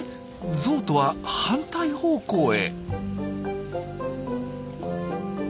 ゾウとは反対方向へ。